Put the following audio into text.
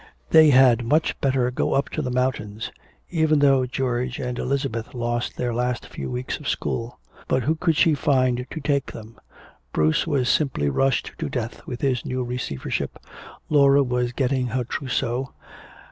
They had much better go up to the mountains, even though George and Elizabeth lost their last few weeks at school. But who could she find to take them? Bruce was simply rushed to death with his new receivership. Laura was getting her trousseau.